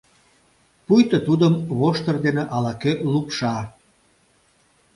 Пуйто тудым воштыр дене ала-кӧ лупша.